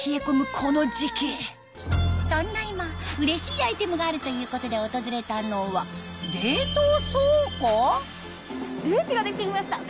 この時期そんな今うれしいアイテムがあるということで訪れたのは冷気が出て来ました！